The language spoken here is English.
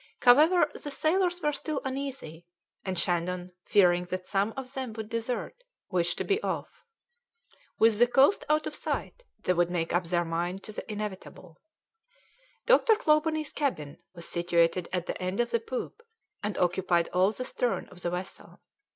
However, the sailors were still uneasy, and Shandon, fearing that some of them would desert, wished to be off. With the coast out of sight, they would make up their mind to the inevitable. Dr. Clawbonny's cabin was situated at the end of the poop, and occupied all the stern of the vessel.